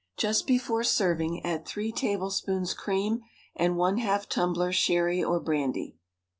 Just before serving add three tablespoons cream and one half tumbler sherry or brandy.